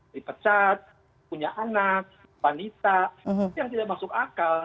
dipecat punya anak wanita itu yang tidak masuk akal